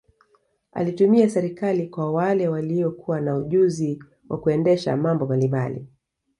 Alitumia serikali kwa wale walio kuwa na ujuziwa kuendesha mambo mbalimbali